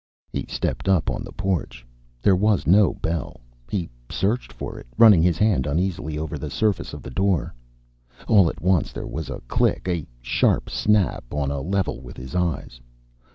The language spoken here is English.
He stepped up on the porch. There was no bell. He searched for it, running his hand uneasily over the surface of the door. All at once there was a click, a sharp snap on a level with his eyes.